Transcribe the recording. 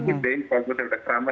jadi lebih menjaga aja precautious aja